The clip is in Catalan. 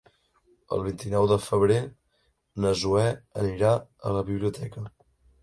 El vint-i-nou de febrer na Zoè anirà a la biblioteca.